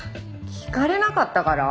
聞かれなかったから？